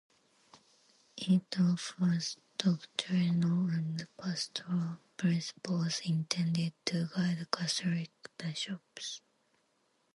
It offers doctrinal and pastoral principles intended to guide Catholic bishops.